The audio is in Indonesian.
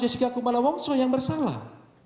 jessica kumala wongso yang bersalah